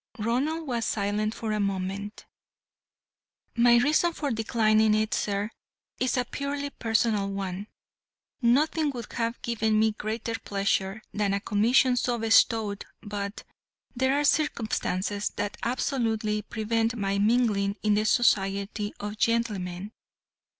Ronald was silent for a moment. "My reason for declining it, sir, is a purely personal one. Nothing would have given me greater pleasure than a commission so bestowed, but there are circumstances that absolutely prevent my mingling in the society of gentlemen.